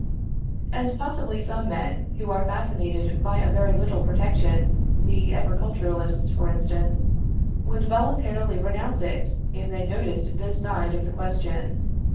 And possibly some men, who are fascinated by a very little protection, the agriculturists, for instance, would voluntarily renounce it if they noticed this side of the question.